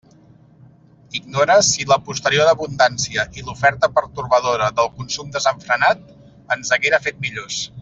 Ignore si la posterior abundància i l'oferta pertorbadora del consum desenfrenat ens haguera fet millors.